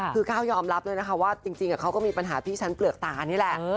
คือก้าวยอมรับเลยนะคะว่าจริงเขาก็มีปัญหาที่ชั้นเปลือกตานี่แหละ